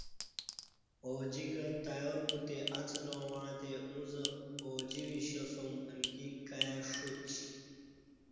اوجِکہ تیار بُوتی اڅلاں وعݩتی اُݩڅ اوجی وِشیاسُوم امکی کائی ݜوچ